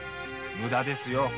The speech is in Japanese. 無駄ですよ！